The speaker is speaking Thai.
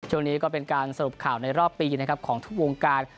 ช่วงนี้ก็เป็นการสรุปข่าวในรอบปีนะครับของทุกวงการ